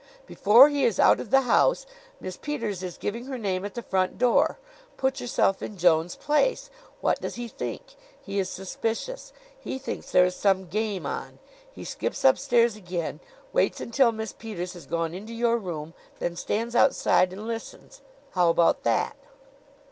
"Before he is out of the house Miss Peters is giving her name at the front door. Put yourself in Jones' place. What does he think? He is suspicious. He thinks there is some game on. He skips upstairs again, waits until Miss Peters has gone into your room, then stands outside and listens. How about that?"